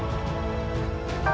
jika aku telah men